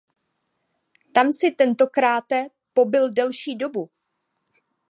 Tam si tentokráte pobyl delší dobu.